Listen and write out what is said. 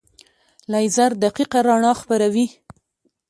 لیزر دقیقه رڼا خپروي.